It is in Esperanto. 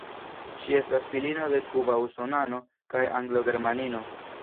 Ŝi estas filino de kuba usonano kaj anglo-germanino.